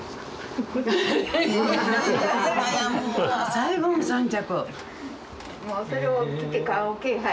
「最後の３着」！